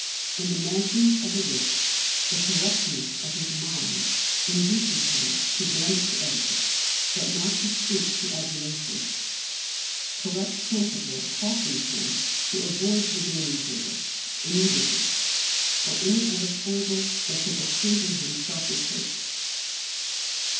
In the mansions of the rich, the correctness of his mind induces him to bend to etiquette, but not to stoop to adulation; correct principle cautions him to avoid the gaming table, inebriety, or any other foible that could occasion him self reproach.